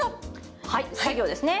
はい作業ですね。